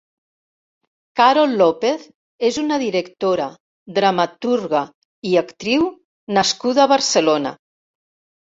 Carol López és una directora, dramaturga i actriu nascuda a Barcelona.